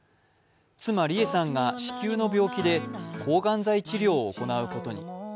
妻が子宮の病気で抗がん剤治療を行うことに。